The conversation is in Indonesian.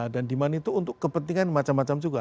dan demand itu untuk kepentingan macam macam juga